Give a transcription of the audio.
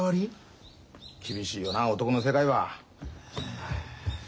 厳しいよな男の世界は。